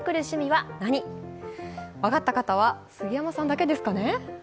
分かった方は杉山さんだけですかね。